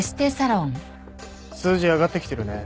数字上がってきてるね。